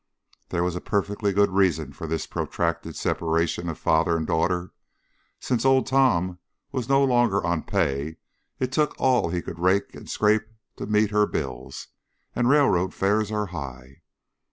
There was a perfectly good reason for this protracted separation of father and daughter; since Old Tom was no longer on pay, it took all he could rake and scrape to meet her bills, and railroad fares are high.